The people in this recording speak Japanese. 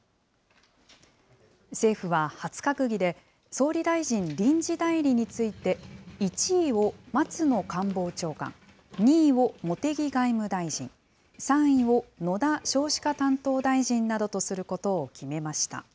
政府は初閣議で、総理大臣臨時代理について、１位を松野官房長官、２位を茂木外務大臣、３位を野田少子化担当大臣などとすることを決めました。